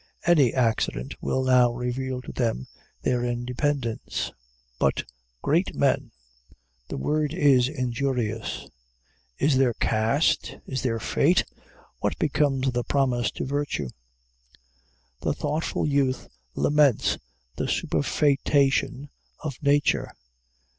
Any accident will now reveal to them their independence. But great men the word is injurious. Is there caste? Is there fate? What becomes of the promise to virtue? The thoughtful youth laments the superfœtation of nature.